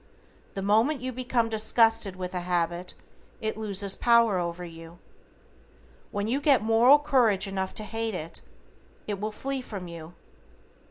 The moment you become disgusted with a habit it loses power over you. When you get moral courage enough to hate it, it will flee from you.